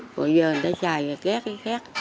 bây giờ người ta xài cái khác cái khác